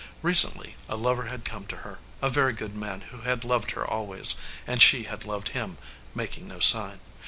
Recently a lover had come to her, a very good man who had loved her always, and she had loved him, making no sign.